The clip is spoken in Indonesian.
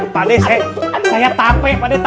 pane saya capek pane capek